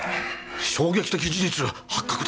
衝撃的事実発覚ですね。